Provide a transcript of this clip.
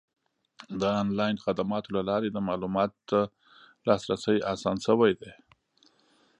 د آنلاین خدماتو له لارې د معلوماتو ته لاسرسی اسان شوی دی.